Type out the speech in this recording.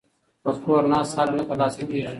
په کور ناست حق نه ترلاسه کیږي.